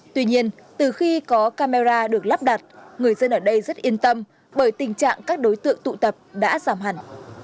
tuy nhiên từ khi có camera được lắp đặt người dân ở đây rất yên tâm bởi tình trạng các đối tượng tụ tập đã giảm hẳn